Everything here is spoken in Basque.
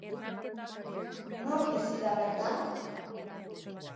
Nor bizi da bertan?